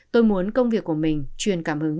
tôi muốn công việc của mình truyền cảm hứng